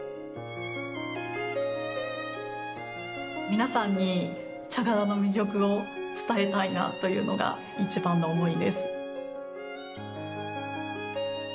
皆さんに茶殻の魅力を伝えたいなというのが一番の思いです。